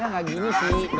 iya gak gini sih